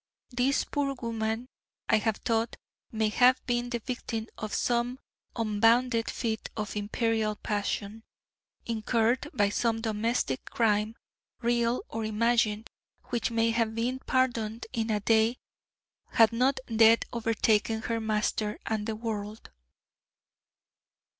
This poor woman, I have thought, may have been the victim of some unbounded fit of imperial passion, incurred by some domestic crime, real or imagined, which may have been pardoned in a day had not death overtaken her master and the world.